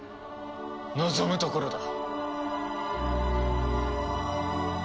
望むところだ。